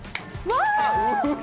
わあ！